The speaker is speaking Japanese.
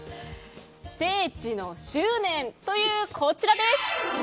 聖地の執念！というこちらです。